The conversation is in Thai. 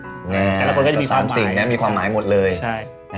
แต่ละคนก็จะมีความหมายแต่สามสิ่งมีความหมายหมดเลย